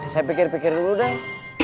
saya pikir pikir dulu deh